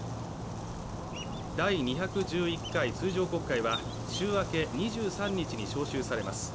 第２１１回通常国会は週明け２３日に召集されます